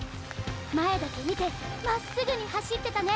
前だけ見てまっすぐに走ってたね